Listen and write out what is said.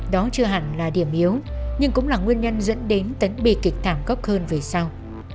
đó chưa hẳn là điểm yếu nhưng cũng là nguyên nhân dẫn đến tấn bi kịch thảm gốc hơn về sau